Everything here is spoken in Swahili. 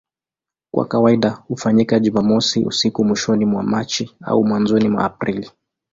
Kwa kawaida hufanyika Jumamosi usiku mwishoni mwa Machi au mwanzoni mwa Aprili.